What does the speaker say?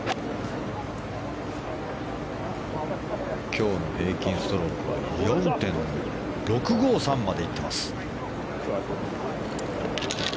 今日の平均ストロークは４．６５３まで行っています。